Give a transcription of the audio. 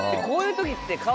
こういう時って。